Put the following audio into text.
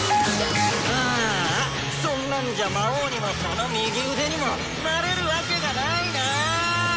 「ああそんなんじゃ『魔王にもその右腕』にも『なれるワケがない』な」。